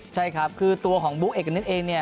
ใช่ครับคือตัวของบุ๊กเอกณิตเองเนี่ย